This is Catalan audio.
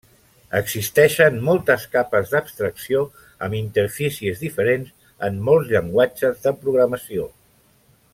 Existeixen moltes capes d'abstracció amb interfícies diferents en molts llenguatges de programació.